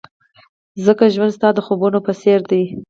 ځکه ژوند ستا د خوبونو په څېر دی.